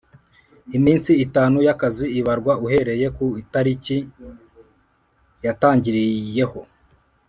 Iminsi itanu y akazi ibarwa uhereye ku itariki yatangiriyeho